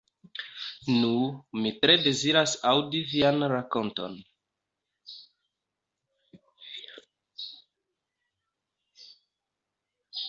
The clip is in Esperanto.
Nu, mi tre deziras aŭdi vian rakonton.